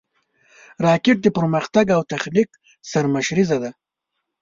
راکټ د پرمختګ او تخنیک سرمشریزه ده